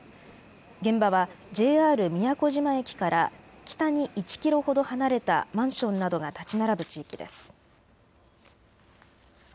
現場はＪＲ都島駅から北に１キロほど離れたマンションなどが建ち並ぶ地域です。